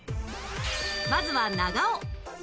まずは長尾